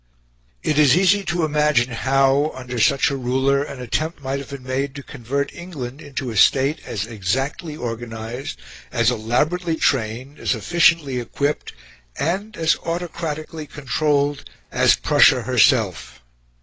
It is easy to imagine how, under such a ruler, an attempt might have been made to convert England into a State as exactly organised, as elaborately trained, as efficiently equipped, and as autocratically controlled, as Prussia herself.